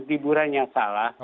liburan yang salah